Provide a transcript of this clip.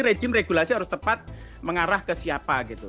rejim regulasi harus tepat mengarah ke siapa gitu